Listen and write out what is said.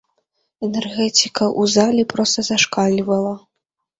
Энергетыка ў залі проста зашкальвала.